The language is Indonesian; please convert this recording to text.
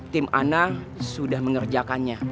tim ana sudah mengerjakannya